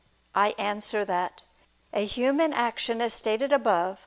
I answer that, A human action, as stated above (A.